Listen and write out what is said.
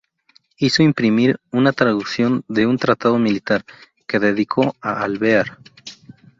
Hizo imprimir una traducción de un tratado militar, que dedicó a Alvear.